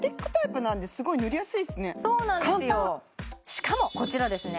しかもこちらですね